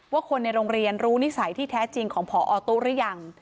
ว่าคนในโรงเรียนรู้นิสัยที่แท้จริงของพอตู้หรือยัง